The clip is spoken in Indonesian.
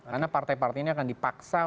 karena partai partainya akan dipaksa